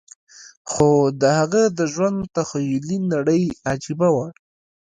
خو د هغه د ژوند تخيلي نړۍ عجيبه وه.